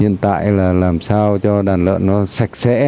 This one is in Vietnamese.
hiện tại là làm sao cho đàn lợn nó sạch sẽ